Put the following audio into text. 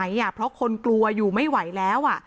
ได้ไหมอ่ะเพราะคนกลัวอยู่ไม่ไหวแล้ว